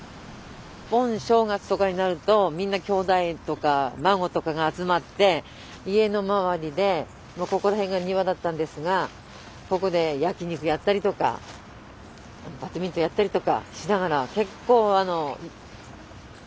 盆正月とかになるとみんなきょうだいとか孫とかが集まって家の周りでここら辺が庭だったんですがここで焼き肉やったりとかバドミントンやったりとかしながら結構有名なにぎやかなうちだった。